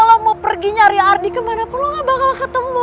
kalau mau pergi nyari ardi kemana pun gak bakal ketemu